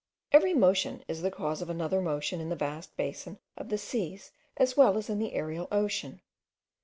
Every motion is the cause of another motion in the vast basin of the seas as well as in the aerial ocean.